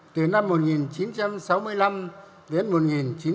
từ năm một nghìn chín trăm sáu mươi năm đến một nghìn chín trăm sáu mươi chín